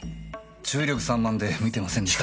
注意力散漫で見てませんでした。